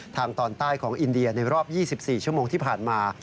ทางตอนใต้ของอินเดียในรอบ๒๔ชั่วโมงที่ผ่านมา